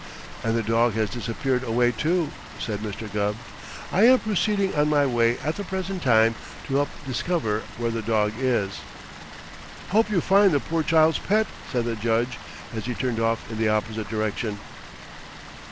"And the dog has disappeared away, too," said Mr. Gubb. "I am proceeding on my way at the present time to help discover where the dog is." "Hope you find the poor child's pet," said the Judge as he turned off in the opposite direction.